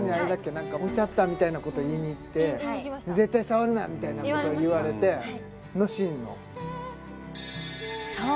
何か置いてあったみたいなこと言いに行って絶対触るなみたいなこと言われてのシーンのそう